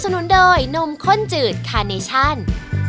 สวัสดีครับ